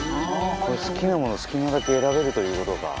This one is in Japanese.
好きなものを好きなだけ選べるという事か。